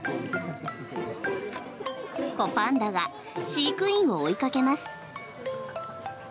子パンダが飼育員を追いかけます。